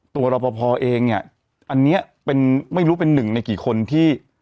ตัวรอพพอเองเนี่ยอันนี้ไม่รู้เป็นหนึ่งในกี่คนที่